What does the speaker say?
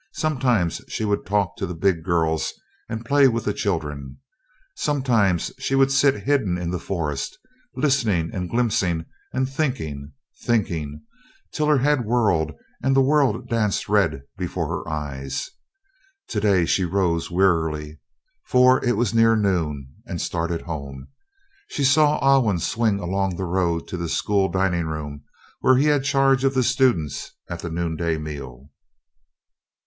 Sometimes she would talk to the big girls and play with the children; sometimes she would sit hidden in the forest, listening and glimpsing and thinking, thinking, till her head whirled and the world danced red before her eyes, today she rose wearily, for it was near noon, and started home. She saw Alwyn swing along the road to the school dining room where he had charge of the students at the noonday meal.